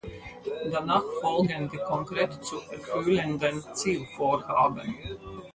Danach folgen die konkret zu erfüllenden Zielvorhaben.